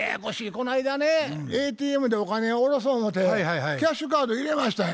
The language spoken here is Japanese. こないだねＡＴＭでお金を下ろそ思てキャッシュカード入れましたんや。